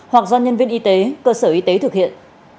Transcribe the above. hoặc do nhân viên y tế cơ sở y tế thực hiện